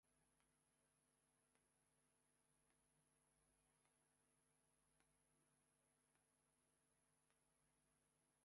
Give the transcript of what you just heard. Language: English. The public transportation system is well-maintained and convenient for the residents.